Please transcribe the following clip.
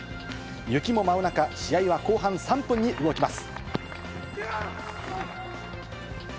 雪も舞う中、試合は後半３分に動きます。